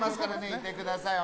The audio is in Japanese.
いてください